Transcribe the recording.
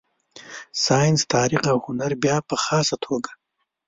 ساینس، تاریخ او هنر بیا په خاصه توګه.